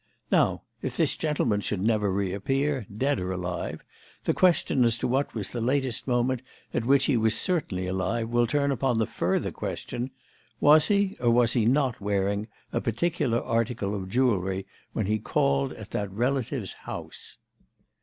Now, if this gentleman should never reappear, dead or alive, the question as to what was the latest moment at which he was certainly alive will turn upon the further question: 'Was he or was he not wearing a particular article of jewellery when he called at that relative's house?'"